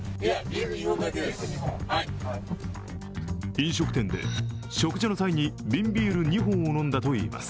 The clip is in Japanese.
飲食店で食事の際に瓶ビール２本を飲んだといいます。